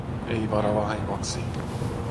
Ei vara vahingoksi.